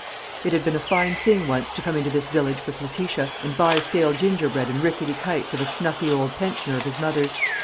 It had been a fine thing once to come into this village with Letitia, and buy stale gingerbread and rickety kites of a snuffy old pensioner of his mother's.